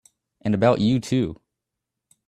And about you too!